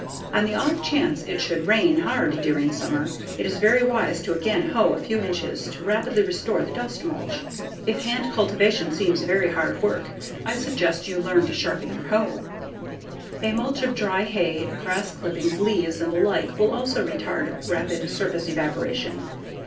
On the off chance it should rain hard during summer, it is very wise to again hoe a few times to rapidly restore the dust mulch. If hand cultivation seems very hard work, I suggest you learn to sharpen your hoe. A mulch of dry hay, grass clippings, leaves, and the like will also retard rapid surface evaporation.